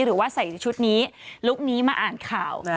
หรือว่าใส่ชุดนี้ลุคนี้มาอ่านข่าว